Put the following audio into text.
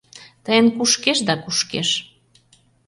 Тыйын кушкеш да кушкеш.